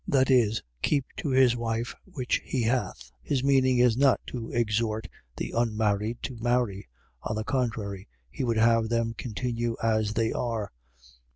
. .That is, keep to his wife, which he hath. His meaning is not to exhort the unmarried to marry: on the contrary, he would have them rather continue as they are.